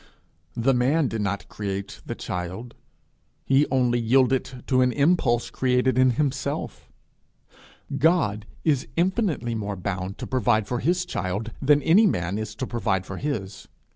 The man did not create the child, he only yielded to an impulse created in himself: God is infinitely more bound to provide for his child than any man is to provide for his.